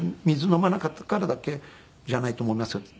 水飲まなかったからだけじゃないと思いますよ。